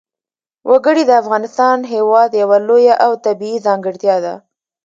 وګړي د افغانستان هېواد یوه لویه او طبیعي ځانګړتیا ده.